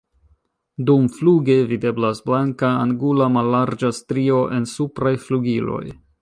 Dumfluge videblas blanka angula mallarĝa strio en supraj flugiloj.